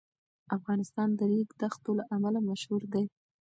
افغانستان د ریګ دښتو له امله مشهور دی.